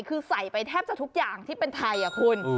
คือใส่ไปแทบจะทุกอย่างที่เป็นไทยคุณ